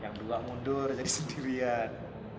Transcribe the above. yang dua mundur jadi sendirian